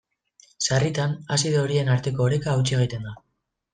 Sarritan, azido horien arteko oreka hautsi egiten da.